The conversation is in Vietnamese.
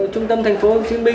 trung tâm tp hcm